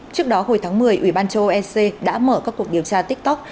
trước đó hồi tháng một mươi ủy ban châu âu ec đã mở các cuộc điều tra tiktok